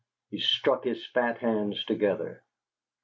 He struck his fat hands together.